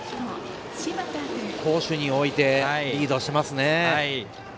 攻守においてリードしますね。